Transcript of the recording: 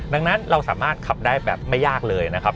ดังนั้นเราสามารถขับได้แบบไม่ยากเลยนะครับ